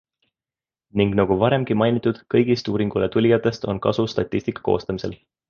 Ning nagu varemgi mainitud, kõigist uuringule tulijatest on kasu statistika koostamisel.